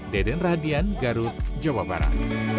deden radian garut jawa barat